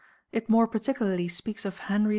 It more particularly speaks of Henry V.